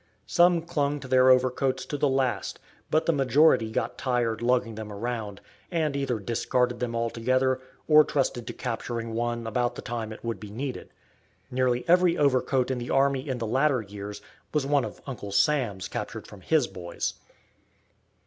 Some clung to their overcoats to the last, but the majority got tired lugging them around, and either discarded them altogether, or trusted to capturing one about the time it would be needed. Nearly every overcoat in the army in the latter years was one of Uncle Sam's captured from his boys.